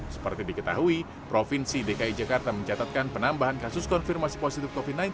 seperti diketahui provinsi dki jakarta mencatatkan penambahan kasus konfirmasi positif covid sembilan belas